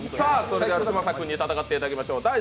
それでは嶋佐君に戦っていただきましょう。